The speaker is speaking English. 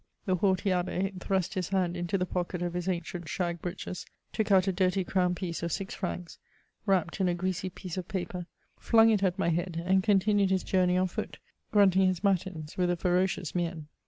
The haughty Abb^ thrust his hand into the pocket of his ancient shag breeches, took ont a dirty crown piece of six firancs, wrapped in a greasy piece of paper, flung it at my head, and continued his journey o& foot, grunting his matins, with a ferocious mien.